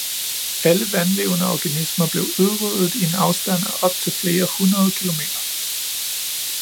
Alle vandlevende organismer blev udryddet i en afstand af op til flere hundrede km.